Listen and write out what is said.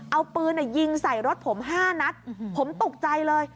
เอาปืนยิงใส่รถผม๕นัดผมตกใจเลย